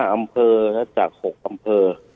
อำเภอจาก๖อำเภอ